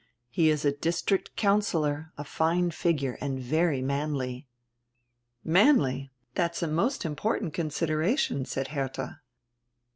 He is a district councillor, a fine figure, and very manly." "Manly? That's a most important consideration," said Herdia.